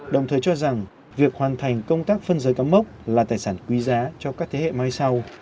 đồng thời cho rằng việc hoàn thành công tác phân giới cắm mốc là tài sản quý giá cho các thế hệ mai sau